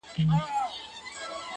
په ښکارپورۍ سترگو کي؛ راته گلاب راکه؛